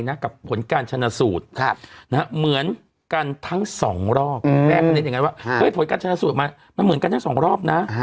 โดยการเจอกับผลการชนสูตรเหมือนกันทั้งสองรอบแม่คณิตว่าผลการชนสูตรมันเหมือนกันทั้งสองรอบนะ